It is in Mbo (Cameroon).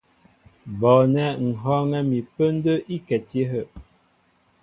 Bɔɔnɛ́ ŋ̀ hɔ́ɔ́ŋɛ́ mi pə́ndə́ íkɛti áhə'.